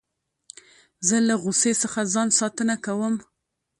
زه له غوسې څخه ځان ساتنه کوم.